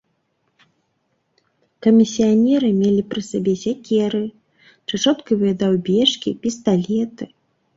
Камісіянеры мелі пры сабе сякеры, чачоткавыя даўбежкі, пісталеты.